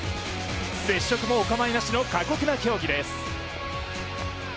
接触もお構いなしの、過酷な競技です。